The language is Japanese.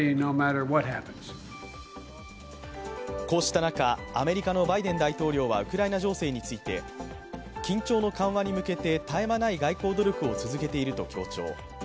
こうした中、アメリカのバイデン大統領はウクライナ情勢について緊張の緩和に向けて絶え間ない外交努力を続けていると強調。